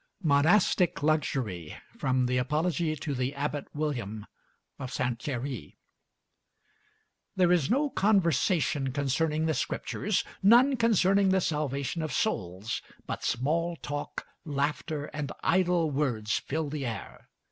MONASTIC LUXURY From the Apology to the Abbot William of St. Thierry There is no conversation concerning the Scriptures, none concerning the salvation of souls; but small talk, laughter, and idle words fill the air.